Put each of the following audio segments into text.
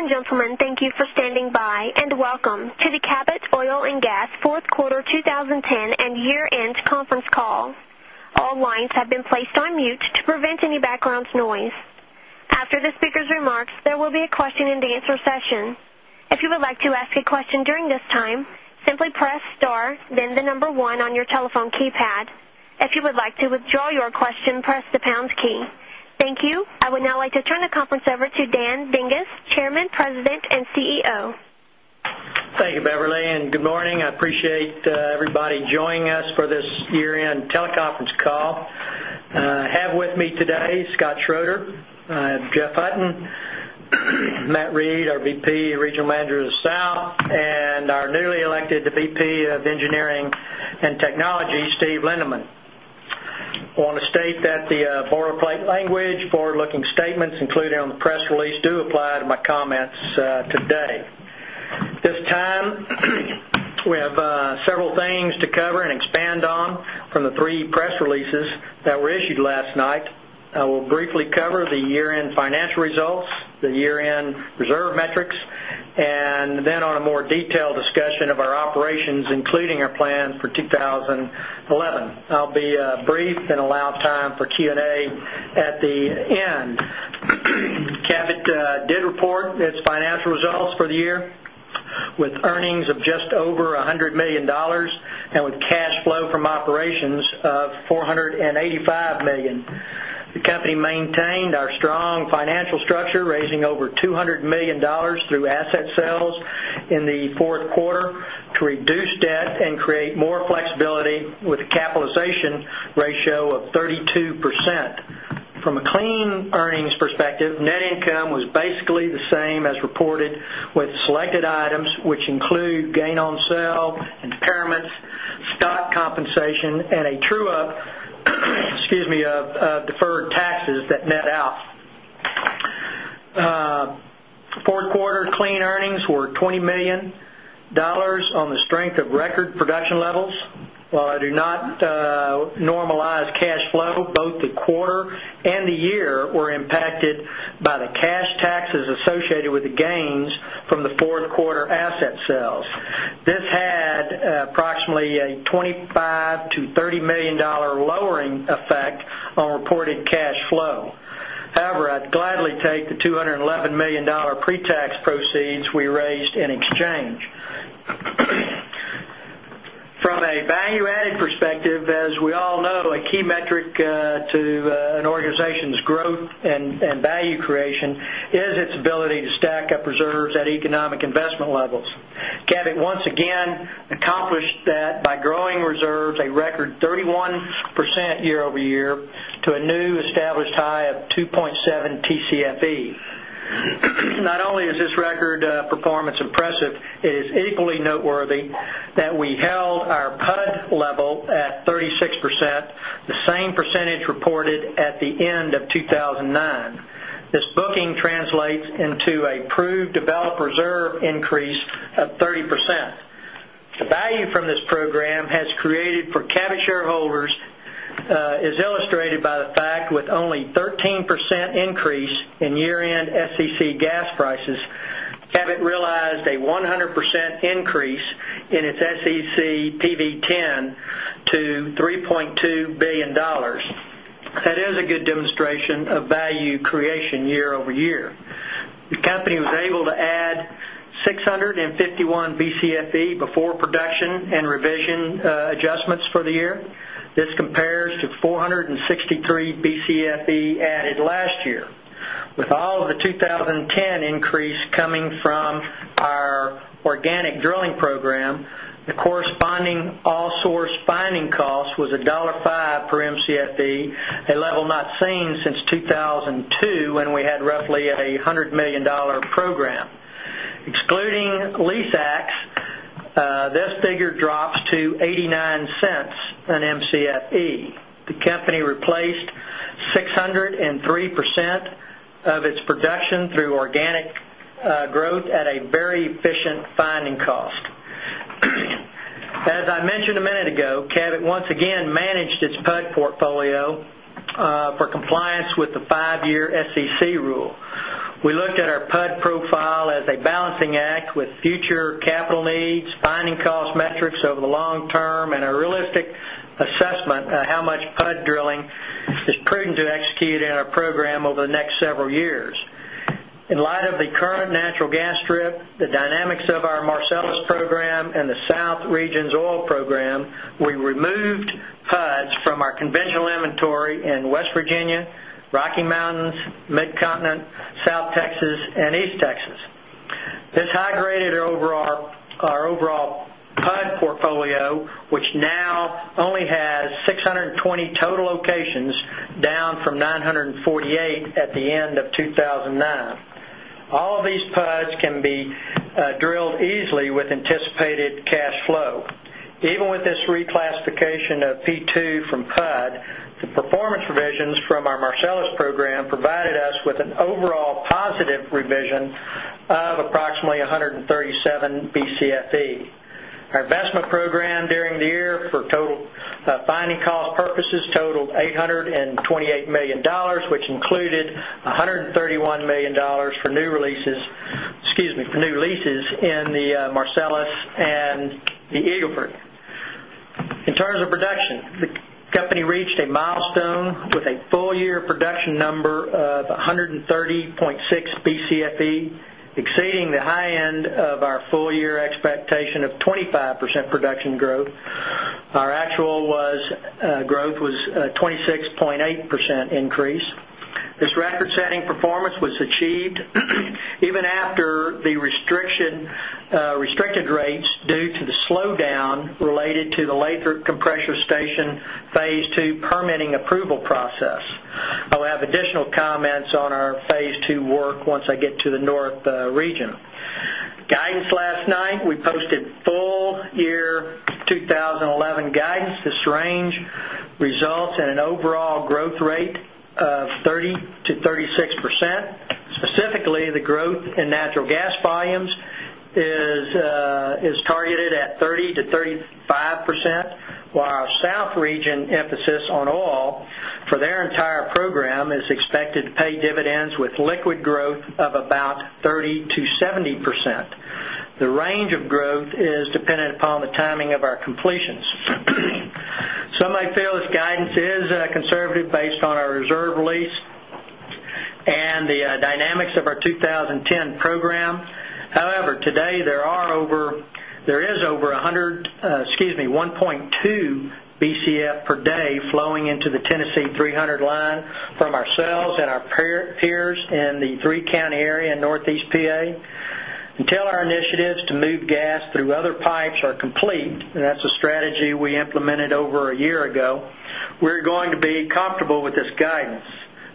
Ladies and gentlemen, thank you for standing by, and welcome to the Cabot Oil and Gas 4th Quarter 2010 Year End Conference Call. All lines have been placed on mute to prevent any background noise. After the speakers' remarks, there will be a question and answer session. Thank you. I would now like to turn the conference over to Dan Dingus, Chairman, President and CEO. Thank you, Beverly, and good morning. I appreciate everybody joining us for this year end teleconference call. I have with me today Scott Schroeder Jeff Hutton Matt Reed, our VP and Regional Manager of the South and our newly elected VP of Engineering and Technology, Steve Lindeman. I want to state that the forward looking statements release do apply to my comments today. At this time, we have several things to cover and expand on from the 3 press releases that were issued last night. I will briefly cover the year end financial results, the year end reserve metrics and then on a more detailed discussion of our operations including our plans for I'll be brief and allow time for Q and A at the end. Cabot did report its financial results for the year with earnings of just over $100,000,000 and with cash flow from operations of 4 $85,000,000 The company maintained our strong financial structure raising over $200,000,000 asset sales in the 4th quarter to reduce debt and create more flexibility with a capitalization ratio of 32%. From a clean earnings perspective, net income was basically the same as reported items, which include gain on sale, impairments, stock compensation and a true up excuse me, deferred taxes that net out. 4th quarter clean earnings were $20,000,000 on the strength of record production levels. While I do not normalize cash flow both the quarter and the year were impacted by the cash taxes associated with the gains from the 4th quarter asset sales. This had approximately a 25 $1,000,000 to $30,000,000 lowering effect on reported cash flow. However, I'd gladly take the $211,000,000 pre tax proceeds we raised in exchange. From a value added perspective, as we all know, a key metric to an organization's growth and value creation is its ability to stack up reserves at economic investment levels. Cabot once again accomplished that by growing reserves a record 31% year over year to a new established high of 2.7 Tcfe. Not only is this record performance impressive, it is equally noteworthy that we held our PUD level at 36%, the same percentage reported at the end of 2,009. This booking translates into a proved developed reserve increase of 30%. The value from this program has created for Cabot shareholders is illustrated by the fact with only 13% increase in year end SEC gas prices, Cabot realized a 100% increase in its SEC PV-ten to $3,200,000,000 That is a good demonstration of revision adjustments for the year. This compares to 4.63 Bcfe added last year. With all of the 20 10 increase from our organic drilling program, the corresponding all source finding cost was $1.05 per Mcfe, a level not seen since 2002 when we had roughly a $100,000,000 program. Excluding lease acts, this figure drops to $0.89 an Mcfe. The company replaced 603% of its production through organic growth at a very efficient finding cost. As I mentioned a minute ago, Cabot once again managed its PUD portfolio for compliance with the 5 year SEC rule. We looked at our PUD profile as a balancing act with future capital needs, finding cost metrics over the long term and a realistic assessment of how much PUD drilling is prudent to execute in our program over the next several years. In light of the current natural gas strip, the dynamics of our Marcellus program and the South region's oil program, we removed HUDs from our conventional inventory in West Virginia, Rocky Mountains, Mid Continent, South Texas and East Texas. This high graded our overall PUD portfolio, which now only has 6 20 total PUDs can be drilled easily with anticipated cash flow. Even with this reclassification of P2 from PUD, the performance revisions from our Marcellus program provided us with an overall positive revision of approximately 137 Bcfe. Our investment program during the year for total finding cost purposes totaled $828,000,000 which included 131,000,000 dollars for new releases excuse me, for new leases in the Marcellus and the Eagle Ford. In terms of production, the company reached a milestone with a full year production number of 130.6 Bcfe exceeding the high end of our full year expectation of 25 percent production growth. Our actual was growth was 26.8% increase. This record setting performance was achieved even after the restriction restricted rates due to the slowdown related to the Lathrop compressor station Phase 2 permitting approval process. I'll have additional comments on our Phase 2 work once I get to the North region. Guidance last night, we posted full year 2011 guidance. This range results in an overall growth rate of 30% to 36%. Specifically, the growth in natural gas volumes is targeted at 30% to 35%, while our South region emphasis on oil for their entire program is expected to pay dividends with liquid growth of about 30% to 70%. The range of growth is dependent upon the timing of our completions. Some may feel this guidance is conservative based on our reserve release and the dynamics of our 2010 program. However, today there are there is over 1 100 excuse me 1.2 Bcf per day flowing into the Tennessee 300 line from ourselves and our peers in the 3 county area in Northeast PA. Until our initiatives to move gas through other pipes are complete and that's a strategy we implemented over a year ago, we're going to be comfortable with this guidance.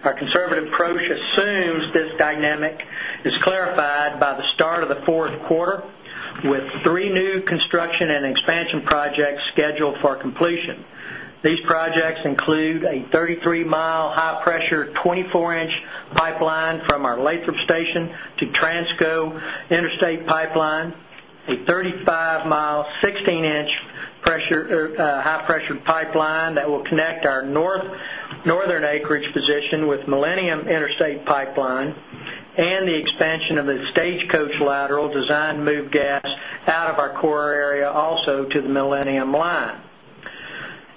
Our conservative approach assumes this dynamic is clarified by the start of the Q4 with 3 new construction and projects scheduled for completion. These projects include a 33 mile high pressure 24 inches pipeline from our Lathrop station to Transco Interstate Pipeline, a 35 mile 16 inches pressure high pressured pipeline that will connect our northern acreage position with Millennium Interstate Pipeline and the expansion of the stagecoach lateral designed to move gas out of our core area also to the Millennium line.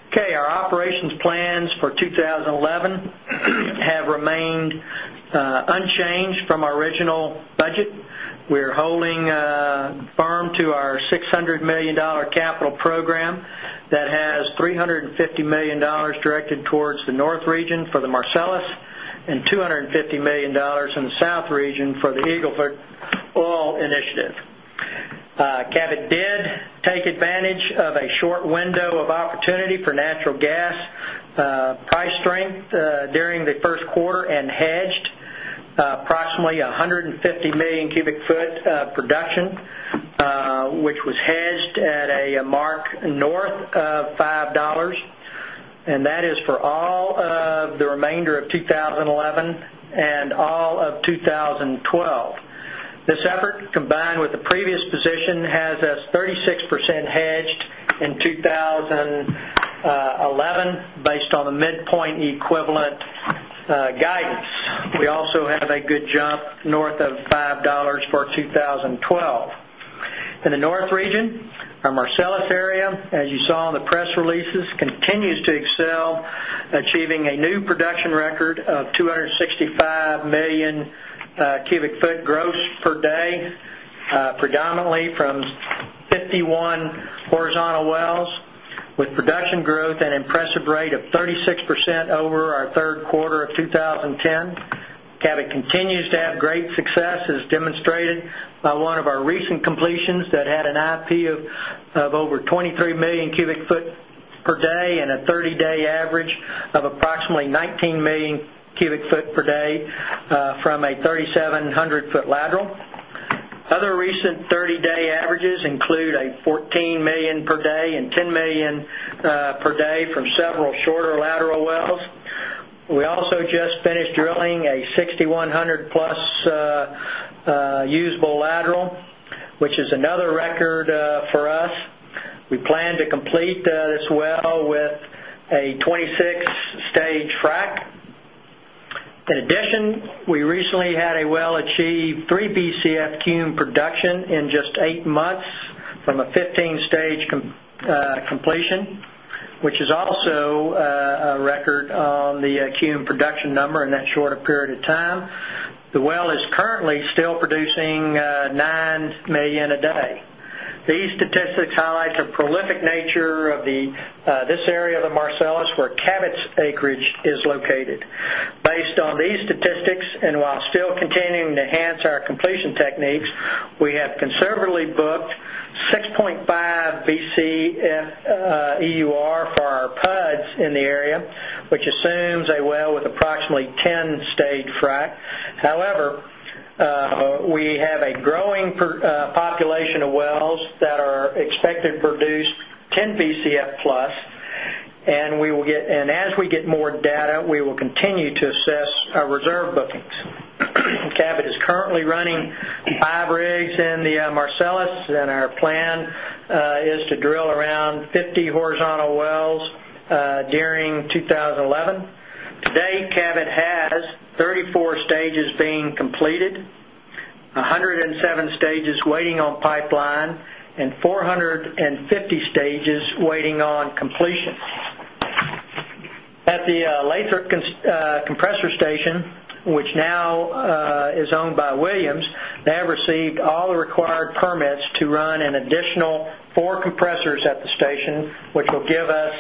Okay. Our operations plans for 20 11 have remained unchanged from our original budget. We are holding firm to our $600,000,000 capital program that has $350,000,000 directed towards the North region for the Mar take advantage take advantage of a short window of opportunity for natural gas price strength during the Q1 and hedged approximately 150,000,000 cubic foot production, which was hedged at a mark north of dollars and that is for all of the remainder of 20 11 and all of 20 12. This effort combined with the previous position has us 36% hedged in 2011 based on the midpoint equivalent guidance. We also have a good jump north of $5 for 20.12. In the North region, our Marcellus area, as you saw in the press releases, continues to excel, achieving a new production record of 265,000,000 cubic foot gross per day predominantly from 51 horizontal wells with production growth at impressive rate of 36% over our 3rd quarter of 2010. Cabot continues to have great success as demonstrated by one of our recent completions that had an IP of over 100 foot lateral. Other recent 30 day averages include a 14,000,000 per day and 10,000,000 per day from several shorter lateral wells. We also just finished drilling a 6,100 plus use bilateral, which is another record for us. We plan to complete this well with a 26 stage frac. In addition, we recently had a well achieved 3 Bcf cume production in just 8 months from a 15 stage completion, which is also a record on the cume production number in that shorter period of time. The well is currently still producing 9,000,000 a day. These statistics highlight the prolific nature of the this area of the Marcellus where Cabot's acreage is located. Based on these statistics and while still continuing to enhance our completion techniques, we have conservatively booked 6.5 Bcf EUR for our PUDs in the area, which assumes a well with expected to produce 10 Bcf plus and we will get and as we get more data, we will continue to assess our reserve bookings. Cabot is currently running 5 rigs in the Marcellus and our plan is to drill around 50 horizontal wells during 2011. Today, Cabot has 34 stages being completed, 107 stages waiting on pipeline and 450 stages waiting on completion. At the Lathrop compressor station, which now is owned by Williams, they have received all the required permits to run an additional 4 compressors at the station, which will give us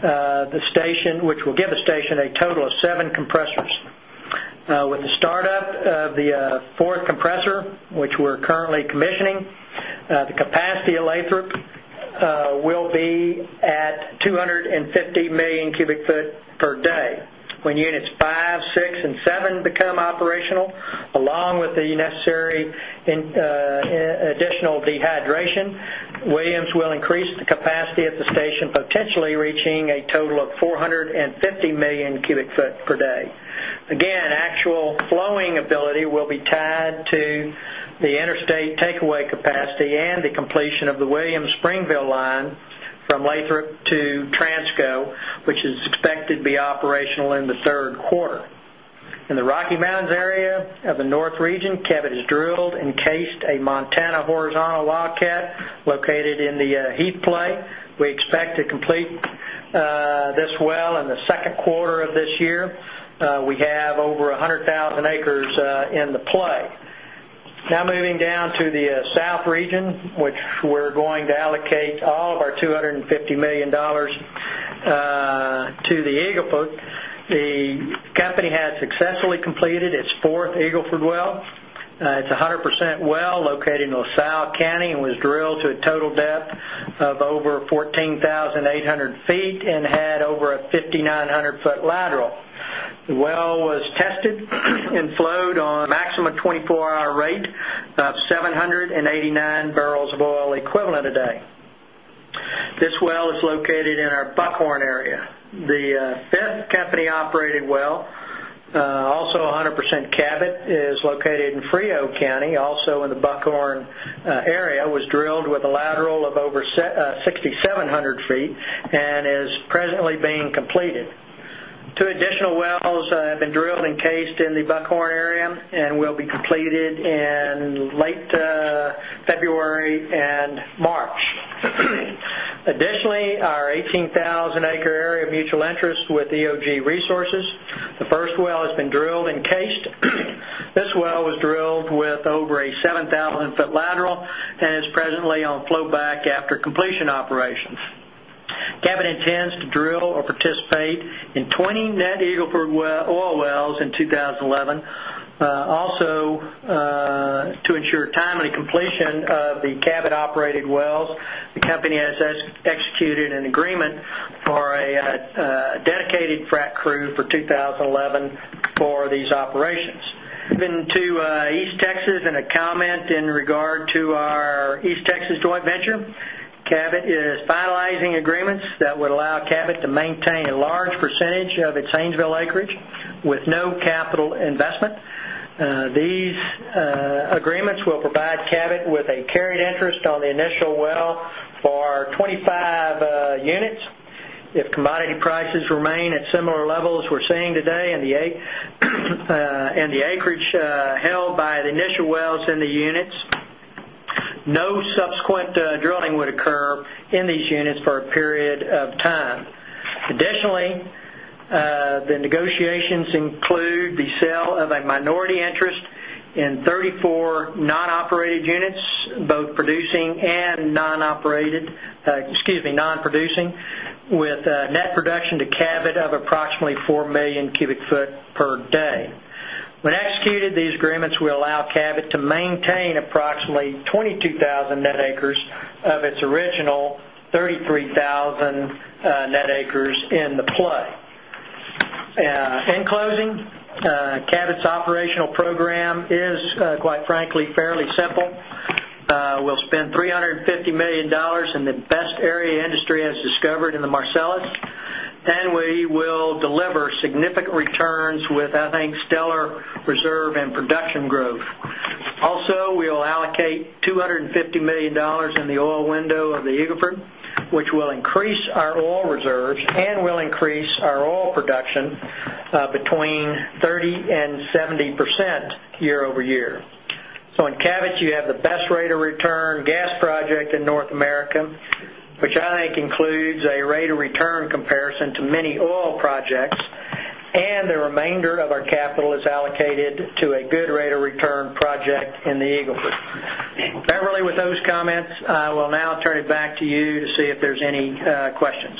the station which will give the station a total of 7 compressors. With the start up of the 4th compressor, which we're currently commissioning, the capacity of Lathrop will be at 250,000,000 cubic foot per day. When units cubic foot per day. Again, actual flowing ability will be tied to the interstate takeaway capacity and the completion of the Williams Springville line from Lathrop to Transco, which is expected to be operational in the Q3. In the Rocky Mountains area of the North region, Kevitt has drilled encased a Montana horizontal logcat located in the Heath play. We expect to complete this well in the Q2 of this year. We have over 100,000 acres in the play. Now moving down to the South region, which we're going to allocate all of our $250,000,000 to the Eagle Ford. The company has successfully completed its 4th Eagle Ford well. It's 100% well located in LaSalle County and was drilled to a total depth of over 14,800 feet and had over a 5,900 foot lateral. The well was tested and flowed on a maximum 24 hour rate of 7.89 barrels of oil equivalent a day. This well is located in our Buckhorn area. The 5th company operated well, also a 100% Cabot is located in Fria County also in the Buckhorn area was drilled with a lateral of over 6,700 feet and is presently being completed. 2 additional wells have been drilled encased in the Buckhorn area and will be completed in late February March. Additionally, our 18,000 acre area mutual interest with EOG Resources, the first well has been drilled encased. This well was drilled with over a drill or participate in 20 net Eagle Ford oil wells in 2011 also to ensure time and completion of the Cabot operated wells, the company has executed an agreement for a dedicated frac crew for 2011 for these operations. Moving to East Texas and a comment in regard to our East Texas joint venture. Cabot is finalizing agreements that would allow Cabot to maintain a large percentage of its Haynesville acreage with no capital investment. These agreements will provide Cabot with a carried interest on the initial initial well for 25 units. If commodity prices remain at similar levels we're seeing today and the acreage held by the initial wells in the units. No subsequent drilling would occur in these units for a period of time. Additionally, the negotiations include the sale of a minority interest in 34 non operated units both producing and non operated excuse me non producing with net production to Cabot of approximately 4 cubic foot per day. When executed, these agreements will allow Cabot to maintain approximately 22,000 net acres of its original 33,000 net acres in the play. In closing, Cabot's operational program is quite frankly fairly simple. Industry has discovered in the Marcellus and we will deliver significant returns with I think stellar reserve and production growth. Also we will allocate $250,000,000 in the oil window of the Eagle Ford, which will increase our oil reserves and will increase our oil production between 30% 70% year over year. So in CABIC, you have the best rate of return gas project in North America, which I think includes a rate of return comparison to many oil projects and the remainder of our capital is allocated to to see if there's any questions.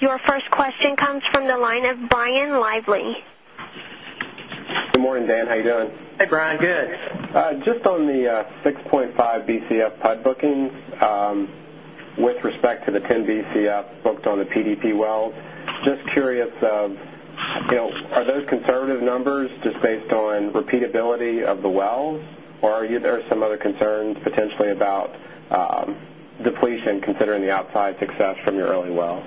Your first question comes from the line of Brian Lively. Good morning, Dan. How are you doing? Hi, Brian. Good. Just on the 6.5 Bcf PUD booking with respect to the 10 Bcf booked on the PDP wells, Just curious, are those conservative numbers just based on repeatability of the wells? Or are there some other concerns potentially about depletion considering the outside success from your early well?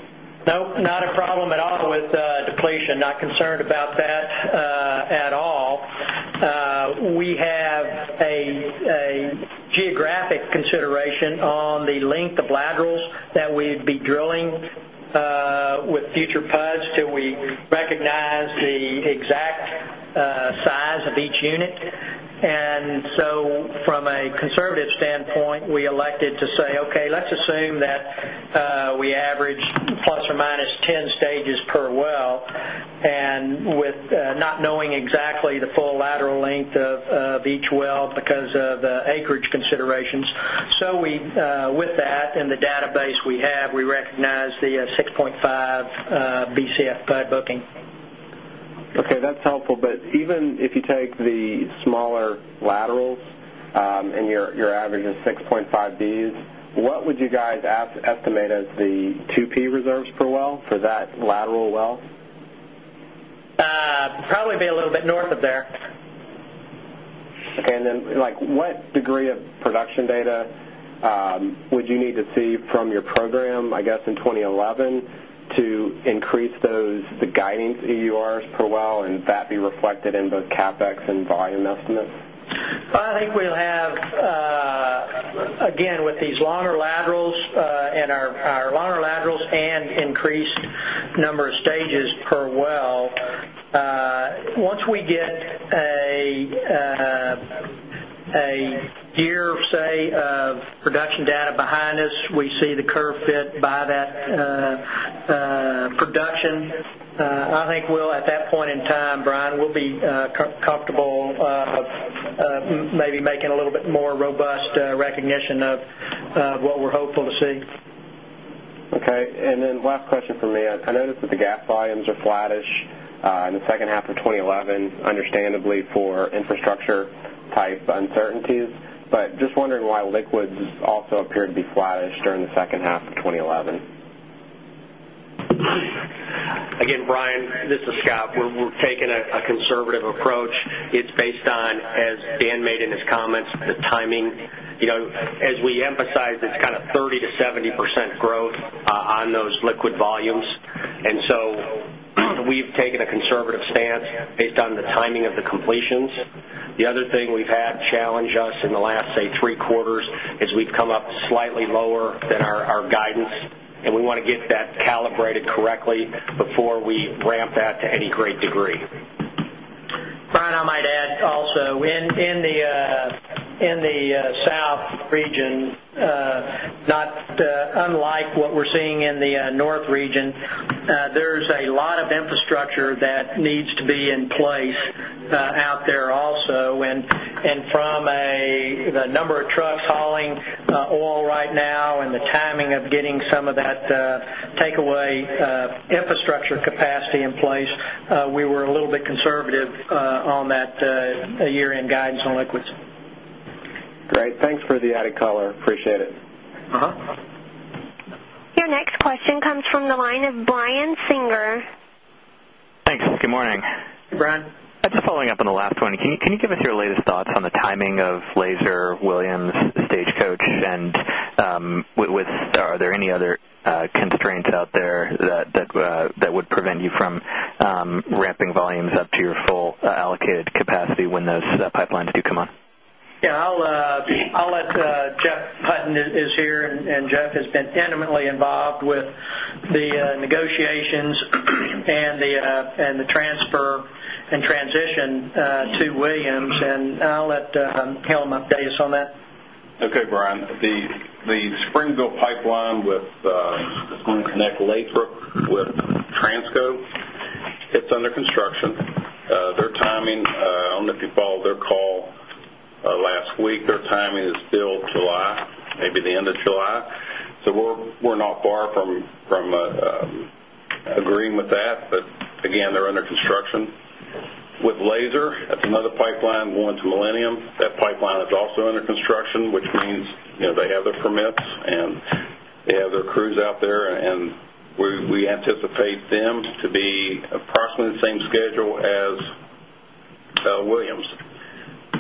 No, not a problem at all with depletion, not concerned that we'd be drilling with future PUDs till we recognize the exact size of each we average plus or minus 10 stages per well and with not knowing exactly the full lateral length of each well because of the acreage considerations. So we with that in the database we have, we recognize the 6.5 Bcf Budd booking. That's helpful. But even if you take the smaller laterals and your average is 6.5Bs, what would you guys estimate as the 2P reserves per well for that lateral well? Probably be a little bit north of there. And then like what degree of production data would you need to see from your program, I guess, in 2011 to increase those the guidance EURs per well and that be reflected in both CapEx and volume estimates? I think we'll have with these longer laterals and our longer laterals and increased number of stages per well, Once we get a year say production data behind us, we see the curve fit by that production. I think we'll at that point in time, Brian, we'll be comfortable maybe making a little bit more robust recognition of what we're hopeful to see. Okay. And then last question for me. I noticed that the gas volumes are flattish in the second half of twenty eleven, understandably for infrastructure type uncertainties. But just wondering why liquids also appear to be flattish during the second half of twenty eleven? Again, Brian, this is Scott. We're taking a conservative approach. It's based on, as Dan made in his comments, the timing. As we emphasized, it's kind of 30% to 70% growth on those liquid volumes. And so we've taken a conservative stance based on the timing of the completions. The other thing we've had challenge us in the last, say, 3 quarters is we've come up slightly lower than our guidance and we want to get that calibrated correctly before we ramp that to any great degree. Brian, I might add also in the South region, not unlike what we're seeing in the North region, there's a lot of infrastructure that needs to be in place out there also. And from a number of trucks hauling oil right now and the timing of getting some of that takeaway infrastructure capacity in place, we were a little bit conservative on that year end guidance on liquids. Great. Thanks for the added color. Appreciate it. Your next question comes from the line of Brian Singer. Thanks. Good morning. Hey, Brian. Just following up on the last one. Can you give us your latest thoughts on the timing of Lazer, Williams, Stagecoach? And are there any other constraints out there that would prevent you from ramping volumes up to your full allocated capacity when those pipelines do come on? Yes. I'll let capacity when those pipelines do come on? Yes. I'll let Jeff Putten is here and Jeff has been intimately involved with the negotiations and the transfer and transition to Williams. And I'll let Helmut update us on that. Okay, Brian. The Springville pipeline with it's going to connect Lakebrook with Transco, It's under construction. Their timing, I don't know if you follow their call last week, their timing is still July, maybe the end of July. So we're not far from agreeing with that, but again, they're under construction. With laser, that's another pipeline, one to Millennium. That pipeline is also under construction, which means they have their permits and they have their The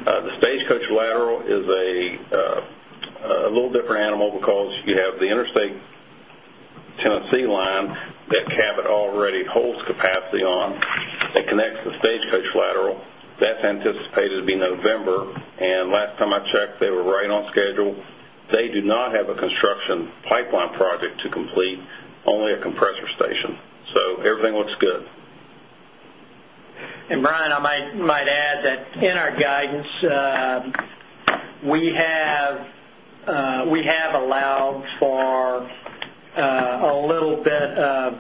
The stagecoach lateral is a little different animal because you have the interstate Tennessee line that Cabot already holds capacity on. It connects the Stagecoach lateral. That's anticipated to be November. And last time I checked, they were right on schedule. They do not have a construction pipeline project to complete, only a compressor station. So everything looks good. And Brian, I might add that in our guidance, we have allowed for a little bit of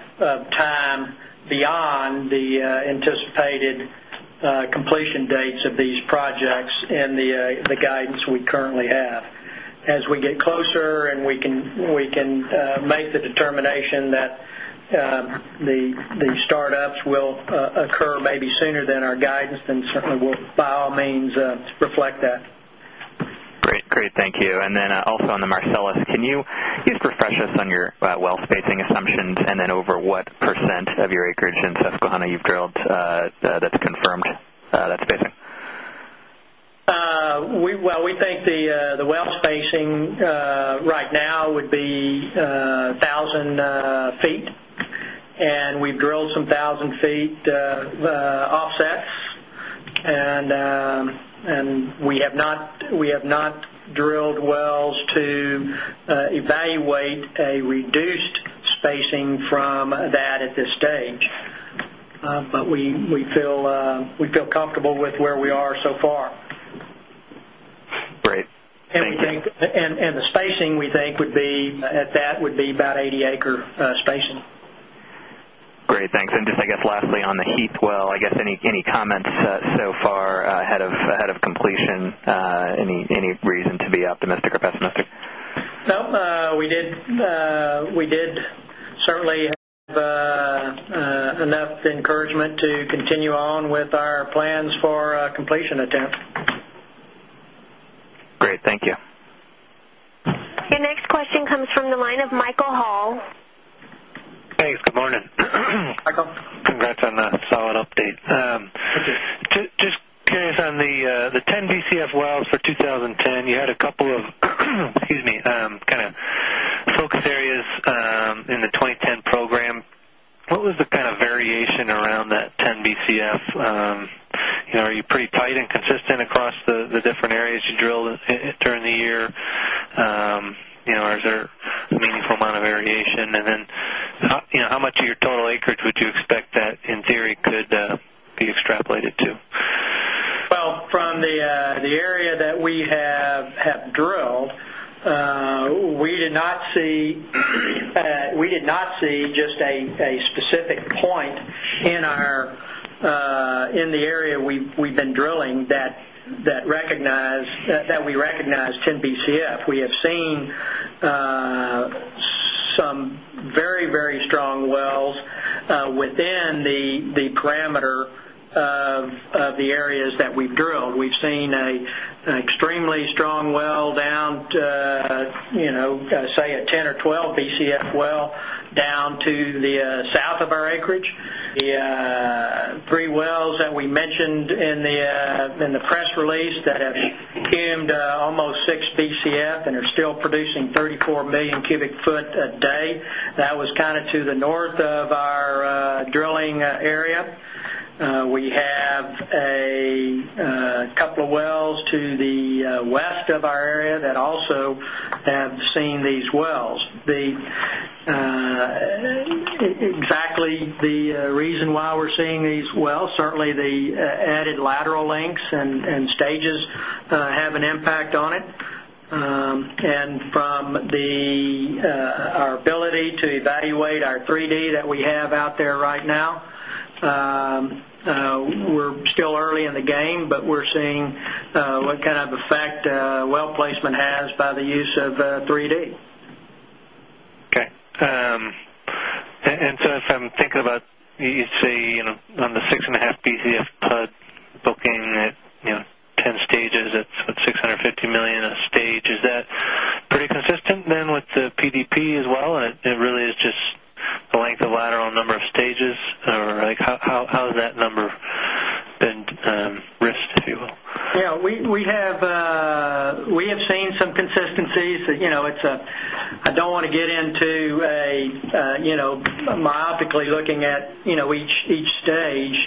time beyond the anticipated completion dates of these projects in the guidance we currently have. As we get closer and we can make the determination that the startups will occur maybe sooner than our guidance then certainly will by all means reflect that. Great, thank you. And then also on the Marcellus then over what percent of your acreage in Susquehanna you've drilled, the then over what percent of your acreage in Susquehanna you've drilled that's confirmed that spacing? Well, we think the well spacing right now would be 1,000 feet and we've drilled some 1,000 feet offsets and we have not drilled wells to evaluate a reduced spacing from that at this stage. But we feel comfortable with where we are so spacing. Great. Thanks. And just I guess lastly on the acre spacing. Great. Thanks. And just I guess lastly on the Heath well, I guess any comments so far ahead of completion? Any reason to be optimistic or pessimistic? No. We did certainly have enough encouragement to continue on with our plans for completion attempt. Your next question comes from the line of Michael Hall. Congrats on the solid update. Just curious on the 10 Bcf wells for 2010, you had a couple of kind of focus areas in the 2010 program, what was the kind of variation around that 10 Bcf? Are you pretty tight and consistent across the different areas you drilled during the year? Or is there a meaningful amount of variation? And then then how much of your total acreage would you expect that in theory could be extrapolated to? Well, from the area that we drilled, we did not see just a specific we did not see just a specific point in our in the area we've been drilling that recognize that we recognized 10 Bcf. We have seen some very, very strong wells within the parameter Bcf well down to the south of our acreage. The 3 wells that we mentioned in the press release that have cumed almost 6 Bcf and are still producing 34,000,000 cubic foot a day. That was to the north of our drilling area. We have a couple of wells to the west of our area that also have seen these wells. Exactly the reason why we're seeing these wells, certainly the added lateral lengths and stages have an impact on it. And from the our ability to evaluate our 3 d that we have out there right now, We're still early in the game, but we're seeing what kind of effect well placement has by the use of 3 d. Okay. And so if I'm thinking about you'd say on the 6.5 Bcf PUD booking at 10 stages, it's about $650,000,000 a stage. Is that pretty consistent then with PDP as well? And it really is just the length of lateral number of stages? Or like how has that number been risked, if you will? Yes. We have seen some consistencies. It's a I don't want to get into a myopically looking at each stage.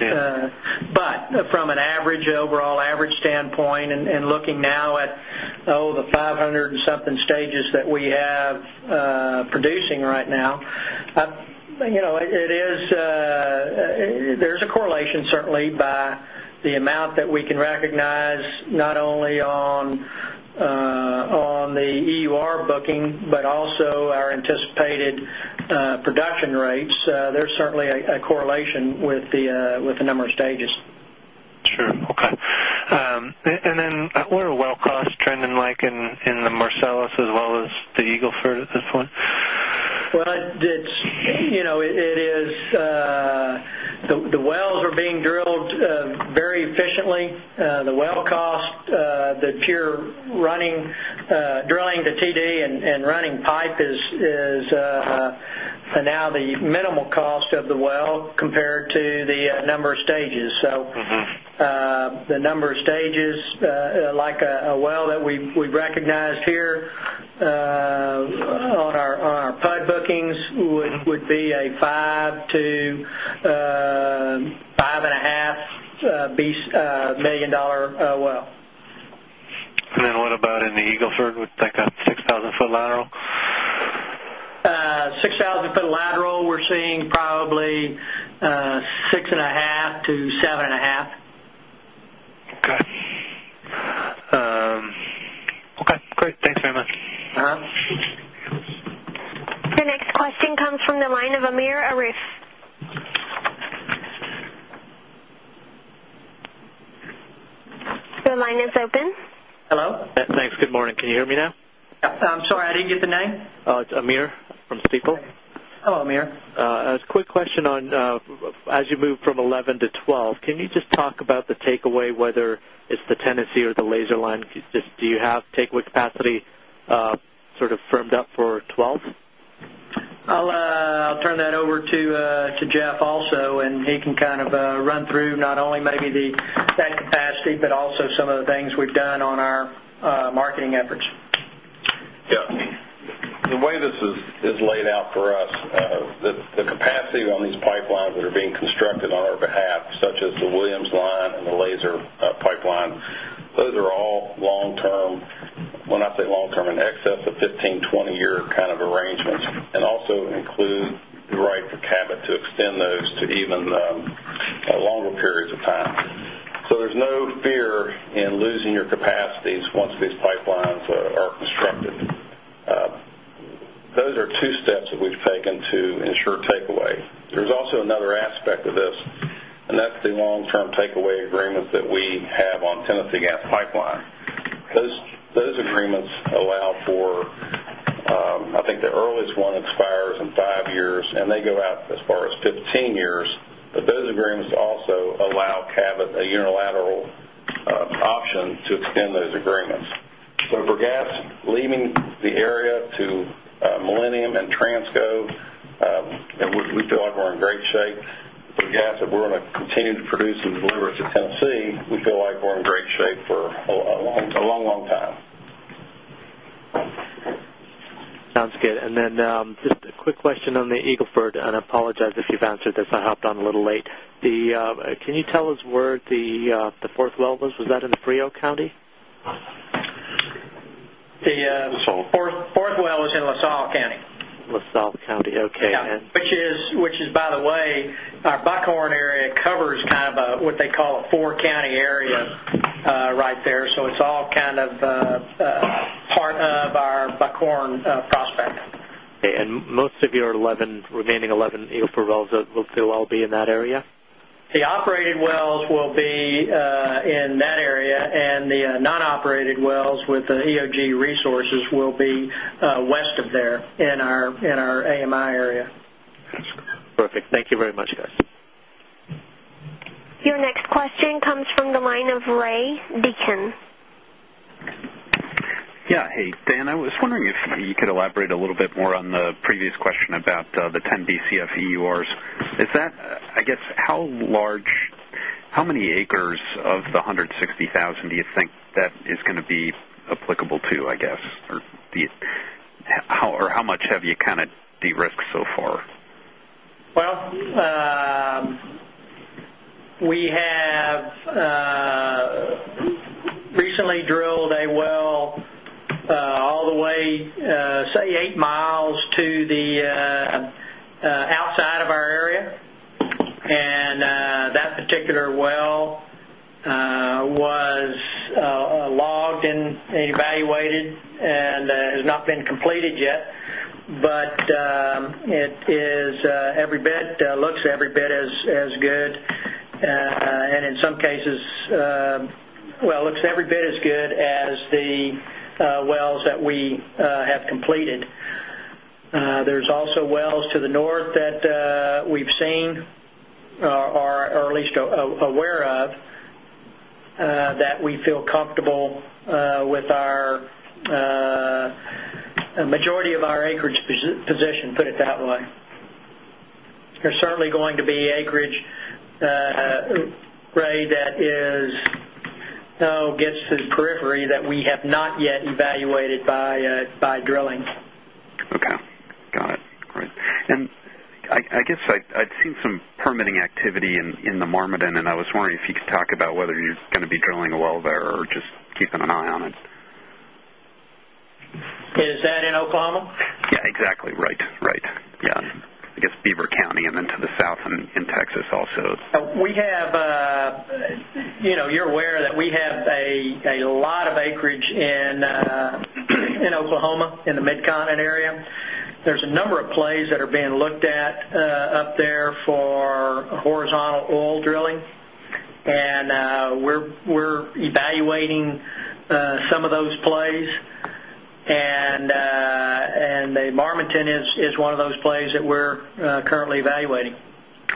But from an average overall average standpoint and looking now at the 500 and something stages that we have producing right now, It is there's a correlation certainly by the amount that we can recognize not only on the EUR booking, but also our anticipated production rates, there's certainly a correlation with the number of stages. Sure. Okay. And then what are well costs trending like in the Marcellus as well as the Eagle Ford at this point? Well, it is the wells are being drilled stages. So the number of stages like a well that we've recognized here on our PUD bookings would be a $5,000,000 to $5,500,000 well. Then what about in the Eagle Ford with like a 6,000 foot lateral? 6,000 foot lateral, we're seeing probably 6 0.5 to 7.5. Okay. Okay, great. Thanks very much. Your next question comes from the line of Amir Arif. Your line is open. Hello. Thanks. Good morning. Can you hear me now? Yes. I'm sorry. I didn't get the name. It's Amir from Stifel. Hello, Amir. A quick question on as you move from 11% to 12%, can you just talk about the takeaway whether it's the Tennessee or the laser line? Just do you have takeaway capacity sort of firmed up for 12? I'll turn that over to Jeff also and he can kind of run through not only maybe the that capacity, also some of the things we've done on our marketing efforts. Yes. The way this is laid out for us, the capacity on these pipelines that are being constructed on our behalf such as the Williams line and the laser pipeline, those are all long term when I say long term in excess of 15, 20 year kind of arrangements And most of your 11 remaining 11 EOPRA wells will all be in that area? The operated wells will be in that area and the non operated wells with the EOG Resources will west of there in our AMI area. Perfect. Thank you very much guys. Your next question comes from the line of Ray Deacon. Yes. Hey, Dan, I was wondering if you could elaborate a little bit more on the previous question about the 10 Bcf EURs. Is that I guess how large how many acres of the 160,000 do you think that is going to be applicable to, I guess? Or how much have you kind of derisked so far? Well, we have recently drilled a well all the way say 8 miles to the outside of our area. And that not been completed yet, but it is every bit looks every bit as And in some cases, well, it looks every bit as good as the wells that we have completed. There's also wells to the north that we've seen or at least aware of that we feel comfortable with our majority of our acreage position put it that way. There's certainly going to be acreage Ray that is gets to the periphery that we have not yet evaluated by drilling. Okay. Got it. Great. And I guess I've seen some permitting activity in the Marmaden and I was wondering if you could talk about whether you're going to be drilling a well there or just keeping an eye on it? Is that in Oklahoma? Yes, exactly. Right, right. Yes. I guess Beaver County and then to the south in Texas also. We have you're aware that we have a lot of acreage in Oklahoma in the Mid Continent area. There's a number of plays that are being looked at up there for horizontal oil drilling and we're evaluating some of those plays and the Marminton is one of those plays that we're currently evaluating.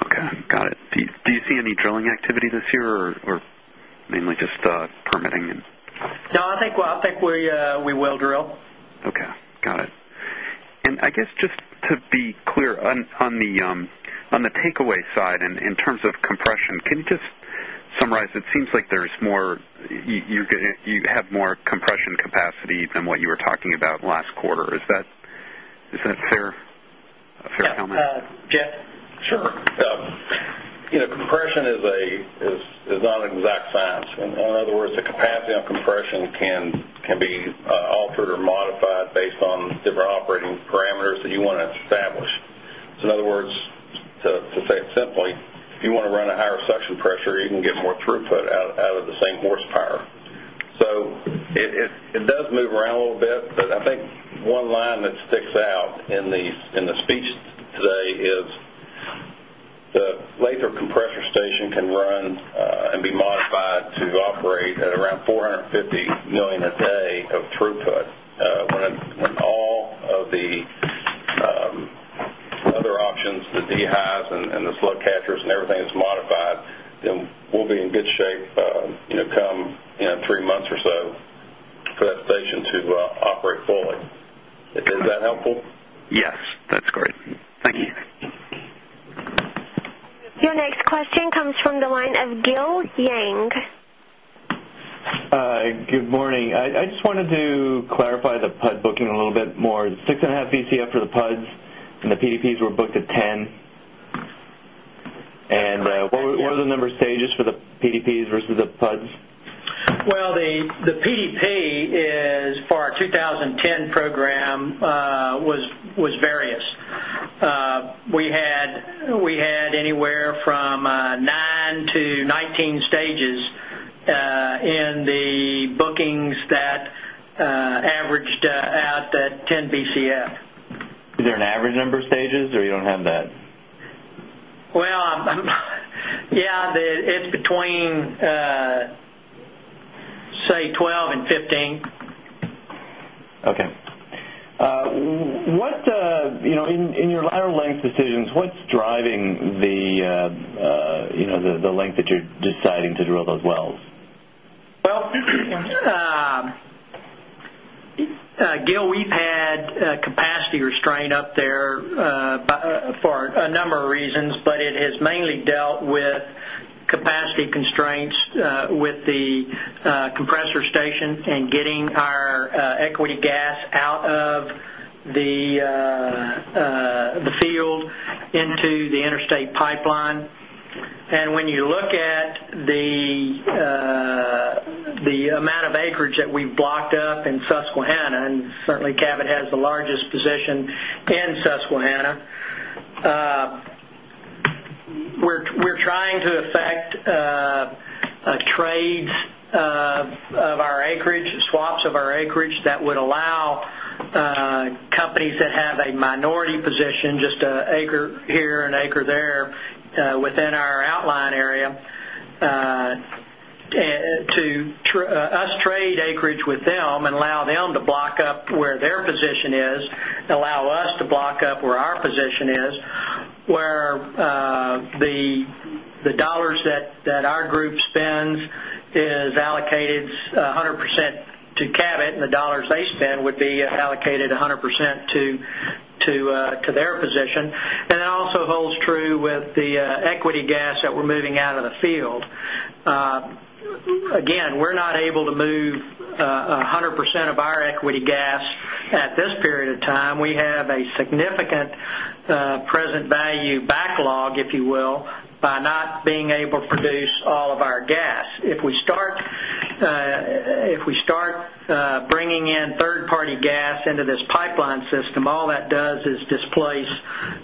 Okay. Got it. Do you see any drilling activity this year or mainly just permitting? No, I think we will drill. Okay, got it. And I guess just to be clear on the takeaway side and in terms of compression, can you just summarize, It seems like there is more you have more compression capacity than what you were talking about last quarter. Is that a fair comment? Yes. Jeff? Sure. Compression is not an exact science. In other words, the capacity on compression can be altered or modified based on different operating parameters that you want to establish. So in other words, to say it simply, if you want to run a higher suction pressure, you can get more throughput out of the same horsepower. So it does move around a little bit, but I think one line that sticks out in the speech today is the laser compressor station can run be modified to operate at around 450,000,000 a day of throughput when all of the other options, the de highs and the slug catchers and everything is modified, then we'll be in good shape come 3 months or so for that station to operate fully. Is that helpful? Your next question comes from the line of Gil Yang. I just wanted to clarify the PUD booking a little bit more. 6.5 Bcf for the PUDs and the PDPs were booked at 10. And what are the number stages for the PDPs versus the PUDs? Well, the PDP is for our 20 10 program was 2019 program was various. We had anywhere from 9 to 19 stages in the bookings that averaged out at 10 Bcf. Is there an average number of stages or don't have that? Well, yes, it's between say 1215. Okay. What in your lateral length decisions, what's driving the length that you're deciding to drill those wells? Well, Gil, we've had capacity restraint up there for a number of reasons, but it has mainly dealt with capacity constraints with the compressor station and getting our equity gas out of the field into the interstate pipeline. And when you look at the amount of acreage that we've blocked up in Susquehanna and certainly Cabot has the largest position in Susquehanna. We're trying to affect trades of our acreage, swaps of our acreage that would allow companies that have a minority position just an acre here an acre there within our outline area to us trade acreage with them and allow them to block up where their position is, allow us to block up where our position is, where the dollars that our group where the dollars that our group spends is allocated 100% to Cabot and the dollars they spend would be allocated 100% to their position. And it also holds true with the equity gas that we're moving out of the field. Again, we're not able to move 100 percent of our equity gas at this period of time. We have a significant present value backlog, if you will, by not being able to produce all of our gas. If we start bringing in 3rd party gas into this pipeline system, all that does is displace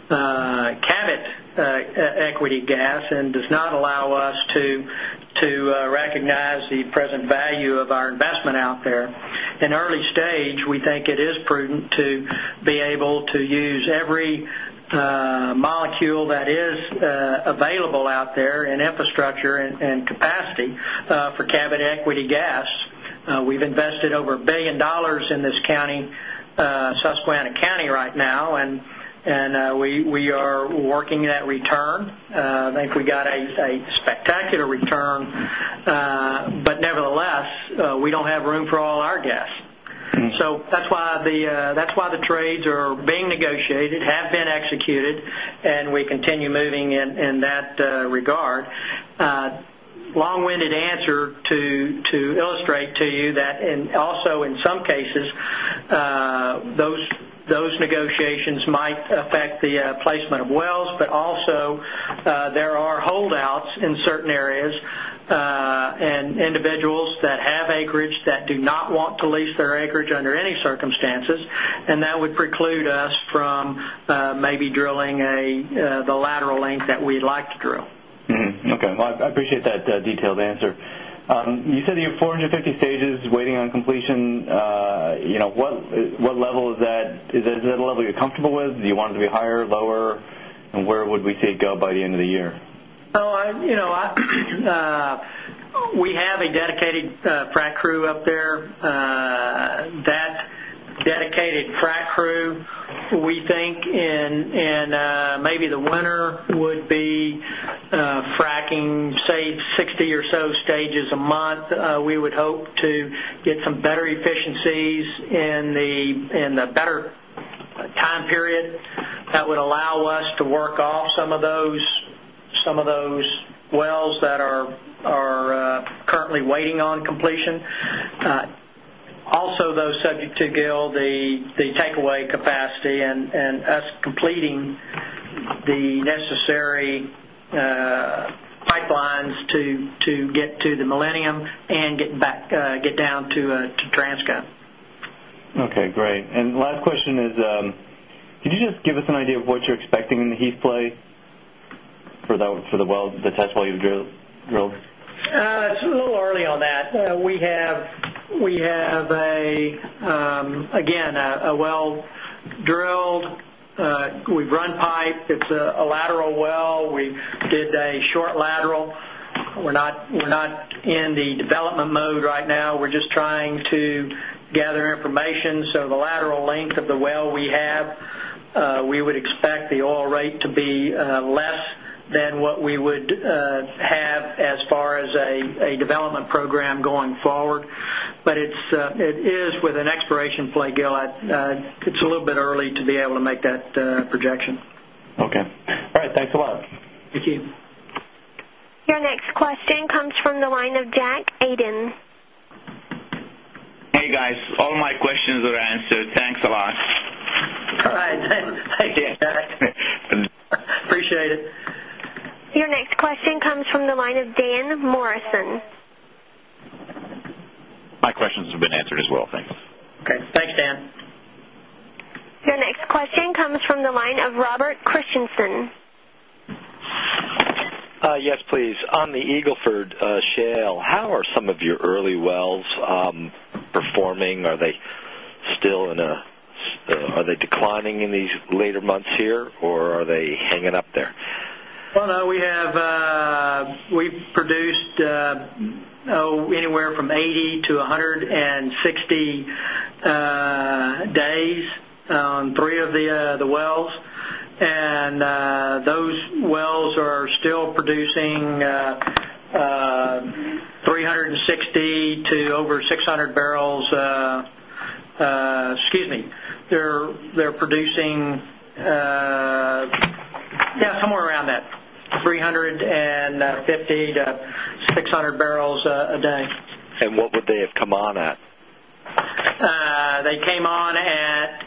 Cabot Equity Gas and does not allow us to recognize the present value of our investment out there. In early stage, we think it is prudent to be able to use every molecule that is available out there and infrastructure and capacity for Cabot Equity Gas. We've invested over $1,000,000,000 in this county Susquehanna County right now and we are working that return. I think we got a spectacular return, but nevertheless we don't have room for all our guests. So that's why the trades are being negotiated, have been executed and we continue moving in that regard. Long winded answer to illustrate to you that and also in some cases, those negotiations might affect the placement of wells, but also there are holdouts in certain areas and individuals that have acreage that do not want to lease their acreage under any circumstances and that would preclude us from maybe drilling a the a on completion. What level is that? Is that a level you're comfortable with? Do you want it to be higher, lower? And where would see it go by the end of the year? We have a dedicated frac crew up there. That dedicated frac crew, we think and maybe the winner would be fracking say 60 or so stages a month. We would hope to get some better efficiencies in the better time period that would allow us to work off some of those wells that are currently waiting on completion. Also those subject to Gil the takeaway capacity and us completing the necessary pipelines to get to the Millennium and get back get down to Transco. Well, the test well that's actually drilled? It's a little early on that. We have a again a well drilled. We've run pipe. It's a lateral well. We did a short lateral. We're not in the development mode right now. We're just trying to gather information. Rate to be less than what we would have as far as a development program going forward. But it is with an exploration play, Gillette. It's a little bit early to be able to make that projection. Okay. All right. Thanks a lot. Thank you. Your next question comes from the line of Jack Aydin. Hey guys, all my questions are answered. Thanks a lot. All right. Thank you, guys. Appreciate it. Your next question comes from the line of Dan Dan next question comes from the line of Robert Christiansen. Yes, please. On the Eagle Ford Shale, how are some of your early wells performing? Are they still in a are they declining in these later months here or are they hanging up there? Well, no, we have we produced anywhere 80 to 160 days on 3 of the wells and those wells are still producing 360 to over 600 barrels excuse me, they're producing somewhere around that, 350 to 600 barrels a day. And what would they have come on at? They came on at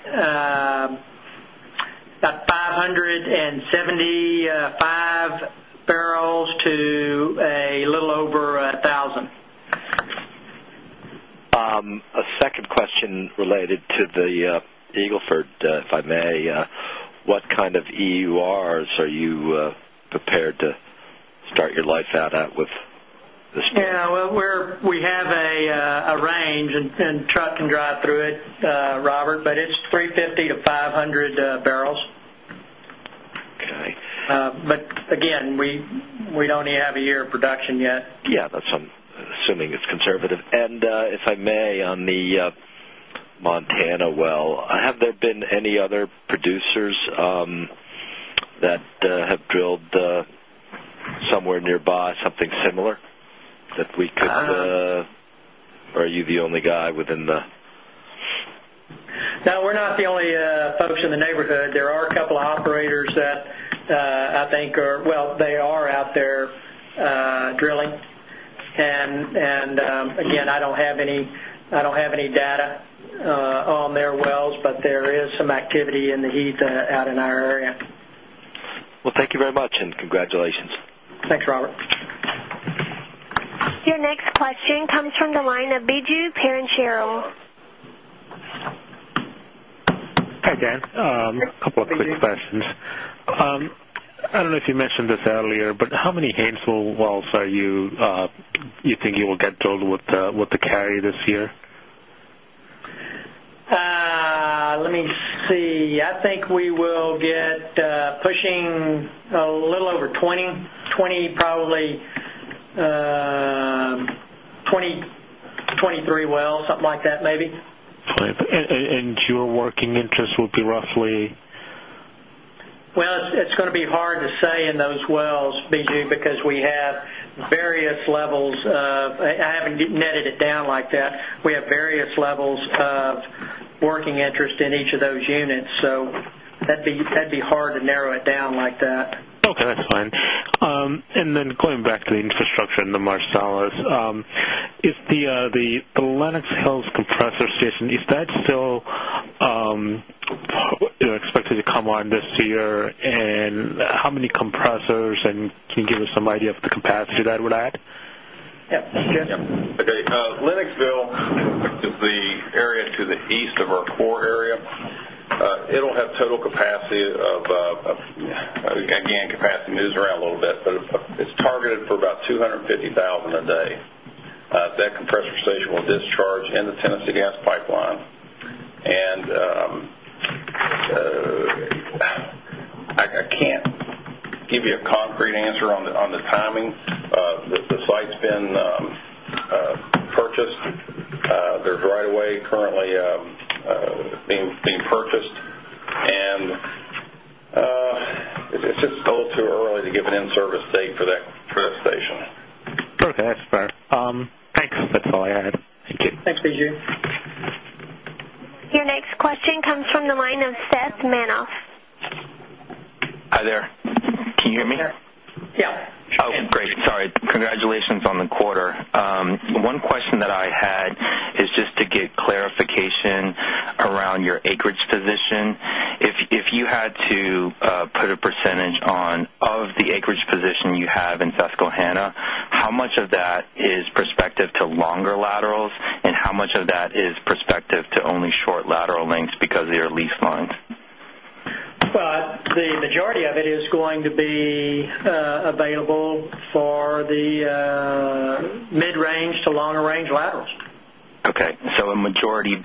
575 barrels to a little over 1,000. A second question related to the Eagle Ford, if I may. What kind of EURs are you prepared to start your life out with this? Yes. We have a range and truck can drive through it, Robert, but it's 3.50 to 500 barrels. Okay. But again, we don't have a year of production yet. Yes, that's I'm assuming it's conservative. And if I may, on the Montana well, have there been any other producers, Montana well, have there been any other producers that have drilled somewhere nearby something similar that we could or are you the only guy within the? No. We're not the only folks in the neighborhood. There are a couple of operators that I think are well, they are out there drilling. And again, I don't have any data on their wells, but there is some activity in the heat out in our area. Well, thank you very much and congratulations. Thanks, Robert. Your next question comes from the line of Biju Perincheril. Hi, Dan. A couple of quick questions. I don't know if you mentioned this earlier, but how many Haynesville wells are you think you will get drilled with the carry this year? Let me see. I think we will get pushing a little over 2020 probably 2023 well something like that maybe. And your working interest would be roughly? Well, it's going to be hard to say in those wells Biju because we have various levels of I haven't netted it down like that. We have various levels of working interest in each of those units. So that'd be hard to narrow it down like that. Okay. That's fine. And then going back to the infrastructure in the Marcellus, is the Lenox Hill compressor Can you give us some idea of the capacity that would add? Yes. Okay. Lennoxville is the area to the east of our core area. It will have total capacity of again, capacity moves around a little bit, but it's targeted for about 250 1,000 a day. That compressor station will discharge in the Tennessee Gas pipeline. And I can't give you a concrete answer on the timing. The site has been purchased. They're dry away currently being purchased. And it's just a little too early to give an in service date for that station. Okay. That's fair. Thanks. That's all I had. Thank you. Thanks, Vijay. Your next question comes from the line of Seth Manoff. Hi there. Can you hear me? Yes. Great. Sorry. Congratulations on the quarter. One question that I had is just to get clarification around your acreage position. If you had to put a percentage on of the acreage position you have in Susquehanna, how much of that is prospective to longer laterals and how much of that is prospective to only short lateral lengths because they are lease lines? The majority of it is going to be available for the mid range to longer range laterals. Okay. So a majority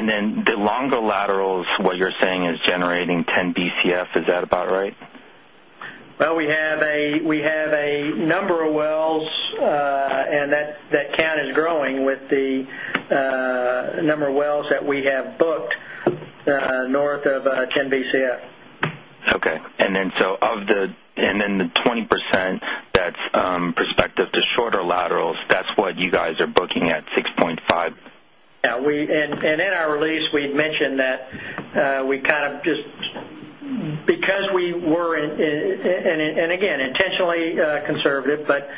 then the longer laterals what you're saying is generating 10 Bcf is that about right? Well, we have a number of wells and that count is growing with the number of wells that we have booked north of 10 Bcf. Okay. And then so of the and then the 20% that's perspective to shorter laterals, percent? Yes. And in our release, we had mentioned that we kind of just because we were and again intentionally conservative, but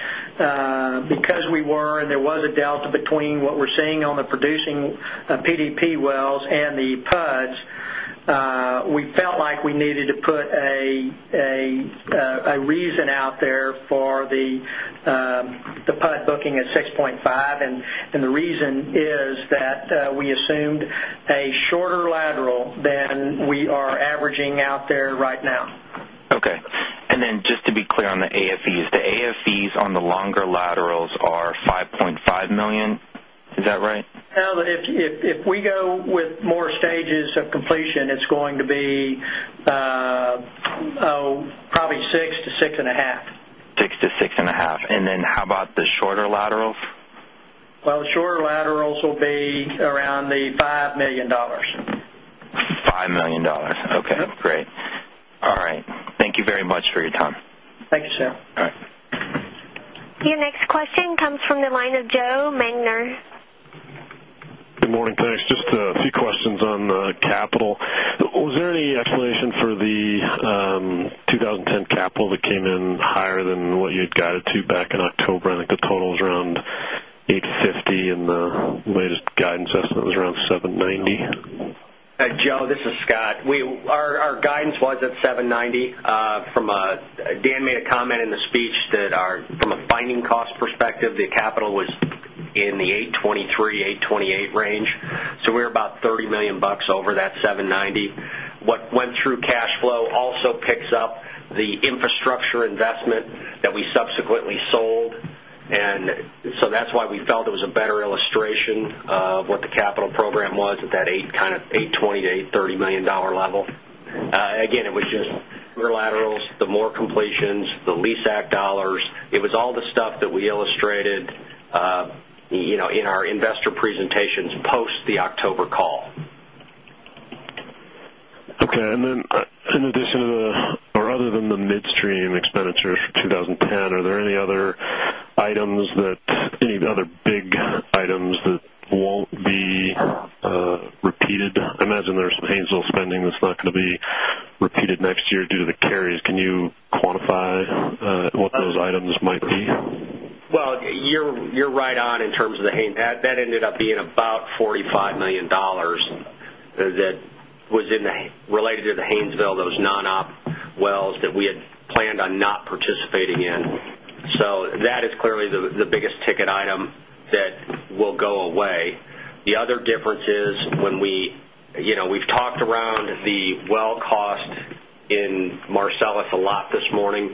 because we were and there was a delta between what we're seeing on the producing PDP wells and the PUDs, we felt like we needed to put a reason out there for the PUD booking at 6.5 and the reason is that we assumed a shorter lateral than we are averaging out there right now. Okay. And then just to be clear on AFEs, the AFEs on the longer laterals are $5,500,000 is that right? No, but if we go with more stages of completion, it's going to be probably $6,000,000 to $6,500,000 $6,000,000 to $6,500,000 And then how about the shorter laterals? Well, the shorter laterals will be around the $5,000,000 $5,000,000 Okay, great. All right. Thank you very much for your time. Thank you, Sam. All right. Your next question comes from the line of Joe Magner. Good morning. Thanks. Just a few questions on capital. Was there any explanation for the 2010 capital that came in higher than what you guided to back in October? I think the total is around 850 and the latest guidance estimate was around 7.90 dollars Joe, this is Scott. We our guidance was at $790,000,000 from a Dan made a comment in the speech that our from a finding cost perspective, the capital was in the $8.23,000,000 $8.28 range. So we're about $30,000,000 over that $790,000,000 What went through cash flow also picks up the infrastructure investment that we subsequently sold. And so that's why we felt it was a better illustration of what the capital program was at that $820,000,000 to $830,000,000 level. Again, it was just laterals, the more completions, the lease act dollars, it was all the stuff that we illustrated in our investor presentations post the October call. Okay. And then in addition to the or other than the midstream expenditures for 20 10, are there any other items that any of the other big items that carries. Can you quantify what those items might be? Well, you're right on in terms of the that ended up being about $45,000,000 that was in the related to the Haynesville, those non op wells that we had planned on not participating in. So that is clearly the biggest ticket item that will go away. The other difference is when we we've talked around the well cost in Marcellus a lot this morning.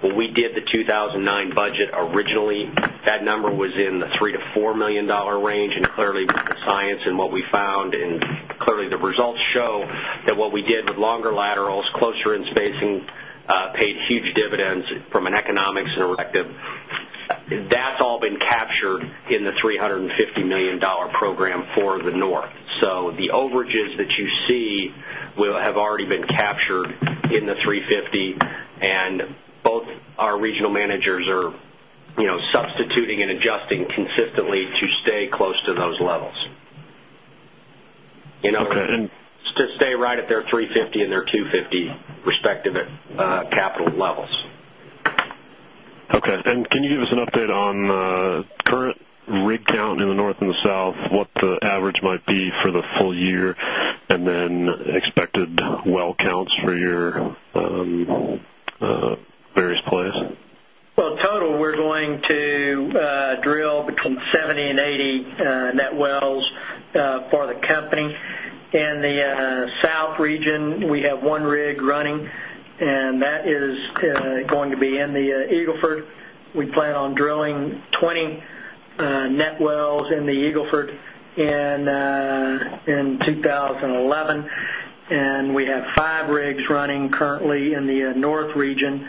When we did the 2,009 budget originally, that number was in the $3,000,000 to $4,000,000 range and clearly the science and what we found and clearly the results show that what did with longer laterals closer in spacing paid huge dividends from an economics and directive. That's all been captured in the $350,000,000 program for the North. So the overages that you see will have already been captured in the $350,000,000 and both our regional managers are substituting and adjusting consistently to stay close to those levels. Okay. To stay right at their $350,000,000 and their $250,000,000 respective capital levels. Okay. And can you give us an update on current rig count in the North and the South, what the average might be for the full year and then expected well counts for your various plays? Well, in total, we're going to drill between 70 80 net wells for the company. In the South region, we have 1 rig running and that is going to be in the Eagle Ford. We plan on drilling 20 net wells in the Eagle Ford. Currently in the North region.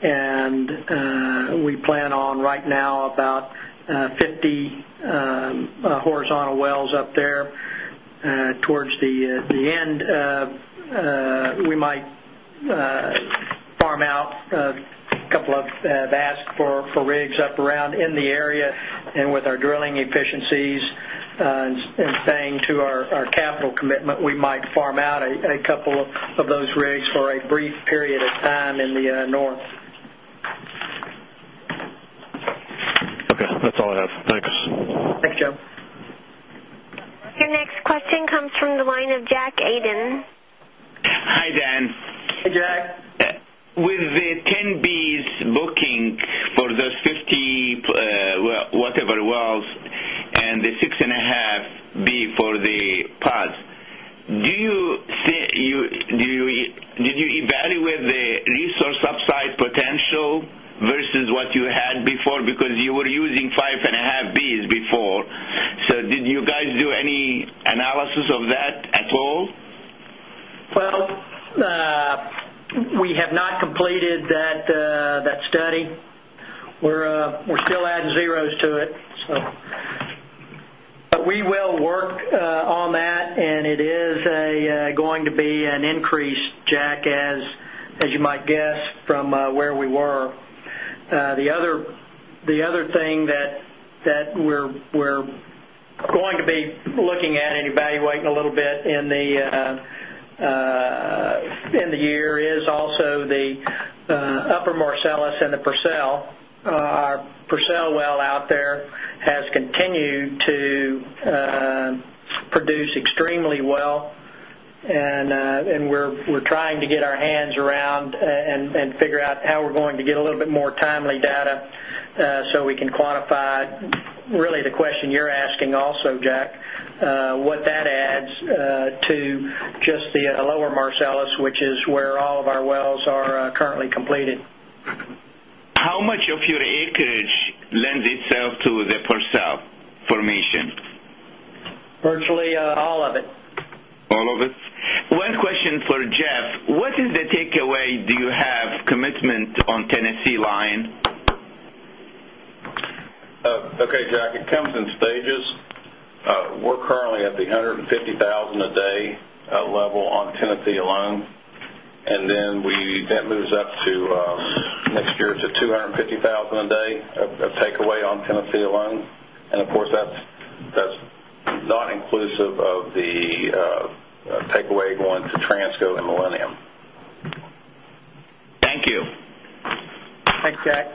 And we plan on right now about 50 horizontal wells up there. Towards the end, we might farm out a couple of have asked for rigs up around in the area and with our drilling efficiencies and staying to our capital commitment, we might farm out a couple of those rigs for a brief period of time in the North. Okay. That's all I have. Thanks. Thanks, Joe. Your next 10Bs booking for those 50 whatever wells and the 6.5 B for the pads, Do you did you evaluate the resource upside potential versus what you had before because you were using 5.5 Bs before? So did you guys do any analysis of that at all? Well, we have not completed that study. We're still adding zeros to it. So but we will work on that and it is going to be an increase Jack as you might guess from where we were. The other thing that we're going to be looking at and evaluating a little bit in the year is also the Upper Marcellus and the Purcell. Our Purcell well out there has continued to produce extremely well and we're trying to get our hands around and figure out how we're going to get a little bit more timely data, so we can quantify really the where all of our wells are currently completed. How much of your acreage lends itself to the Purcell formation? Virtually all of it. All of it? One question for Jeff. What is the takeaway? Do you have commitment on Tennessee Line? Okay, Jack. It comes in stages. We're currently at the 150,000 a day level on Tennessee alone. And then we that moves up to next year to 250,000 a day of takeaway on Tennessee alone. And of course, that's not inclusive of the takeaway going to Transco and Millennium. Thank you. Thanks, Jack.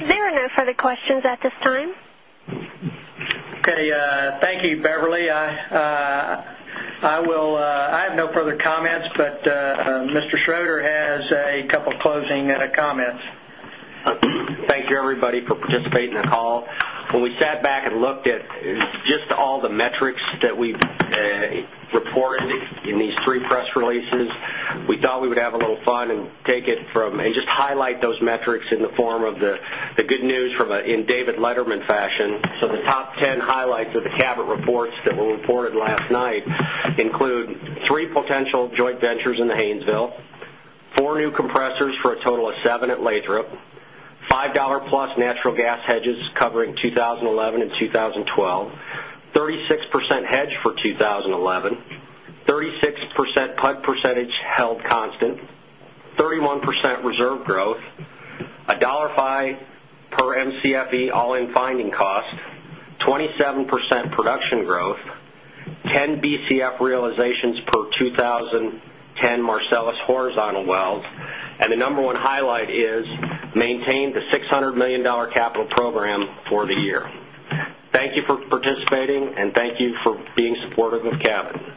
There are no further questions at this time. Okay. Thank you, Beverly. I will I have no further comments, but Mr. Schroeder has a couple of closing comments. Thank you everybody for participating in the call. When we sat back and looked at just all the metrics that we've reported in these three press releases, We thought we would have a little fun and take it from and just highlight those metrics in the form of the good news from a in David Letterman fashion. So the top ten highlights of the Cabot reports that were reported last night include 3 potential joint ventures in the Haynesville, 4 new compressors for a total of 7 at Lathrop, dollars 5 plus natural gas hedges covering 2011 2012, 36% hedged for 2011, 36 percent PUD percentage held constant, 31% reserve growth, dollars 1.5 per Mcfe all in finding cost, 27% production growth, 10 Bcf realizations per 2010 Marcellus horizontal wells and the number one highlight is maintained the $600,000,000 capital program for the year. Thank you for participating and thank you for being supportive of Cabot.